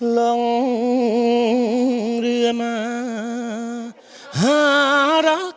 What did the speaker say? ลงเรือมาหารัก